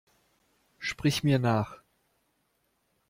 Sprich mir nach!